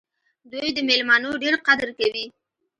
دوی د میلمنو ډېر قدر کوي.